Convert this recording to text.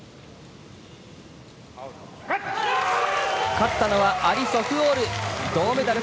勝ったのはアリ・ソフオール。